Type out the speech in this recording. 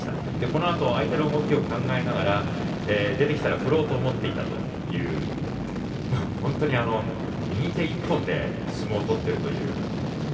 このあと相手の動きを考えながら出てきたら振ろうと思っていたという本当に右手１本で相撲を取っているという。